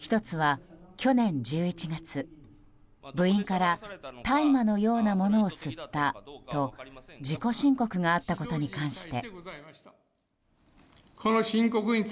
１つは去年１１月、部員から大麻のようなものを吸ったと自己申告があったことに関して。